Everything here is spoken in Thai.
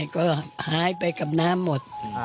ก็หายไปกับน้ำหมด